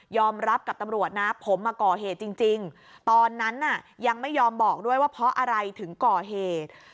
รับกับตำรวจนะผมมาก่อเหตุจริงตอนนั้นน่ะยังไม่ยอมบอกด้วยว่าเพราะอะไรถึงก่อเหตุ